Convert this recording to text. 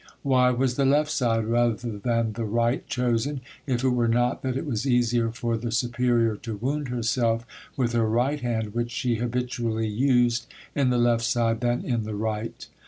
Why was the left side rather than the right chosen, if it were not that it was easier for the superior to wound herself with her right hand, which she habitually used, in the left side than in the right?